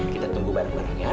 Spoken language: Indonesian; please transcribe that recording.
kita tunggu bareng bareng ya